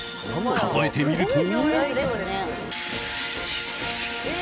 数えてみると。